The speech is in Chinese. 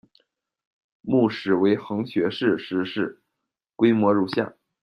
墓室为横穴式石室，规模如下。